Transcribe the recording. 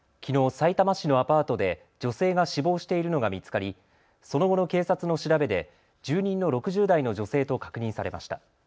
さいたま市のアパートで女性が死亡しているのが見つかりその後の警察の調べで住人の６０代の女性と確認されました。